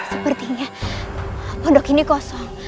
sepertinya pondok ini kosong